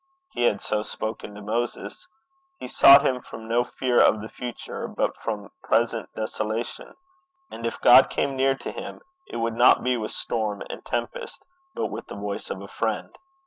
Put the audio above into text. He had so spoken to Moses. He sought him from no fear of the future, but from present desolation; and if God came near to him, it would not be with storm and tempest, but with the voice of a friend.